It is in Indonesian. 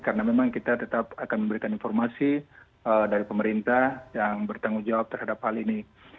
karena memang kita tetap akan memberikan informasi dari pemerintah yang bertanggung jawab terhadap hal ini